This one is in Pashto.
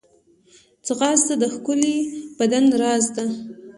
ځغاسته د ښکلي بدن راز دی